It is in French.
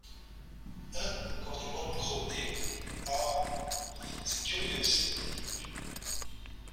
Hein !… encore des bottes !… crottées !… ah ! c’est curieux, ça !